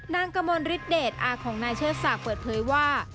นางกะมนฤทธิ์เดทอาของนายเชื่อสักเปิดเผยว่า